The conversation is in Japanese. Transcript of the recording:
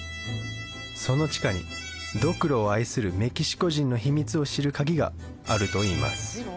その地下にドクロを愛するメキシコ人の秘密を知るカギがあるといいます